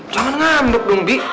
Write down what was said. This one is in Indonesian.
jangan ngambek dong bi